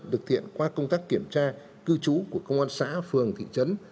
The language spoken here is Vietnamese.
được tiện qua công tác kiểm tra cư trú của công an xã phường thị trấn